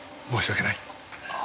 申し訳ない。